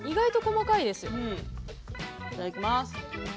いただきます。